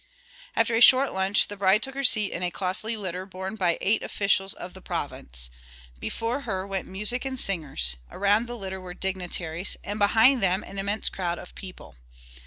After a short lunch the bride took her seat in a costly litter borne by eight officials of the province. Before her went music and singers; around the litter were dignitaries, and behind them an immense crowd of people.